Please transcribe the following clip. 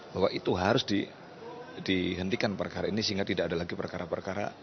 bahwa itu harus dihentikan perkara ini sehingga tidak ada lagi perkara perkara